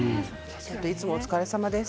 いつもお疲れさまです。